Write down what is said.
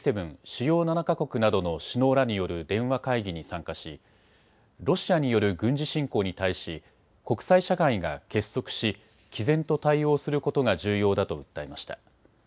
主要７か国などの首脳らによる電話会議に参加しロシアによる軍事侵攻に対し国際社会が結束しきぜんと対応することが重要だと訴えました。